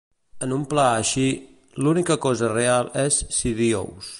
En un pla així, la única cosa real és Sidious.